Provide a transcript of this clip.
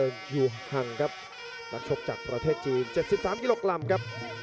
นักชกจากประเทศจีน๗๓กิโลกรัมครับ